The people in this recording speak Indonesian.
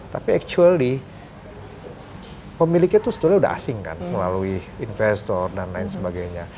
tapi actually pemiliknya itu sebetulnya sudah asing kan melalui investor dan lain sebagainya